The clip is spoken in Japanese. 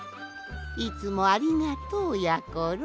いつもありがとうやころ。